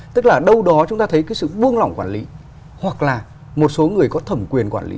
tức là đâu đó chúng ta thấy cái sự buông lỏng quản lý hoặc là một số người có thẩm quyền quản lý